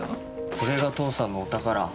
これが父さんのお宝。